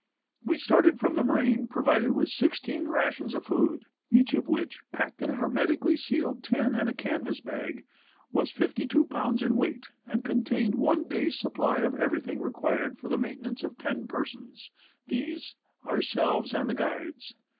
We started from the moraine provided with sixteen rations of food, each of which, packed in a hermetically sealed tin and a canvas bag, was 52 lbs. in weight, and contained one day's supply of everything required for the maintenance of ten persons, viz., of ourselves and the guides.